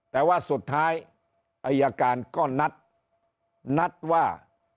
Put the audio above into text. แต่ว่าสุดท้ายอายการก็นัดว่า